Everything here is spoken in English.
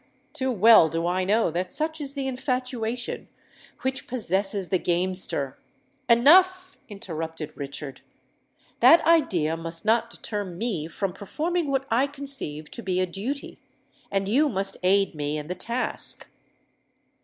too well do I know that such is the infatuation which possesses the gamester——" "Enough!" interrupted Richard. "That idea must not deter me from performing what I conceive to be a duty. And you must aid me in the task."